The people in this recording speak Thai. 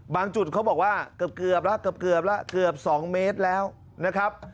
บางจุดเขาบอกว่าเกือบแล้วเกือบ๒เมตรแล้วนะครับ